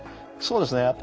そうですね。